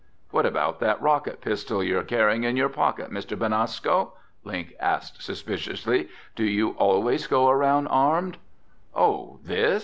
"What about that rocket pistol you're carrying in your pocket, Mr. Benasco?" Link asked suspiciously. "Do you always go around armed?" "Oh, this?"